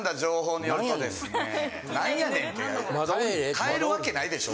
帰るわけないでしょ。